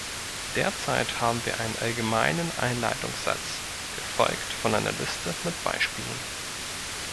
Derzeit haben wir einen allgemeinen Einleitungssatz, gefolgt von einer Liste mit Beispielen.